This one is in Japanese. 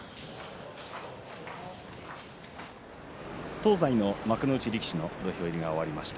東西の幕内力士の土俵入りが終わりました。